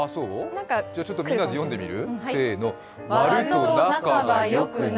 じゃあ、みんなで読んでみる？